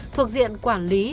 thuộc diện quản lý